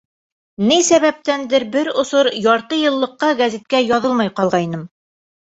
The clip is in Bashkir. Ни сәбәптәндер, бер осор ярты йыллыҡҡа гәзиткә яҙылмай ҡалғайным.